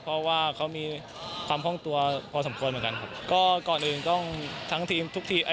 เพราะว่าเขามีความคล่องตัวพอสมควรเหมือนกันครับก็ก่อนอื่นก็ทั้งทีมทุกทีมไอ